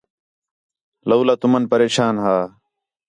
لَولا تُمن پریشان ہا